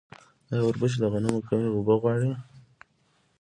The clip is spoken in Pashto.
آیا وربشې له غنمو کمې اوبه غواړي؟